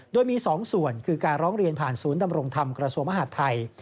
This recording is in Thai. โดยมี๒ส่วนคือการร้องเรียนผ่านศูนย์ดำรงธรรมกระทรวงมหาดไทย